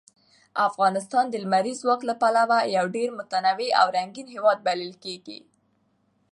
افغانستان د لمریز ځواک له پلوه یو ډېر متنوع او رنګین هېواد بلل کېږي.